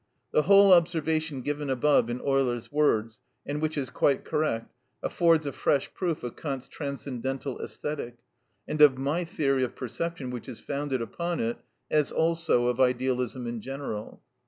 The whole observation given above in Euler's words, and which is quite correct, affords a fresh proof of Kant's Transcendental Æsthetic, and of my theory of perception which is founded upon it, as also of idealism in general.